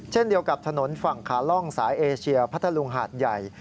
เช่นเดียวกับถนนฝั่งขาล่องสายเอเชียพัทธลุงหาดใหญ่